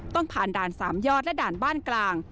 ต้องผ่านด่านสามยอดและด่านบ้านกลาง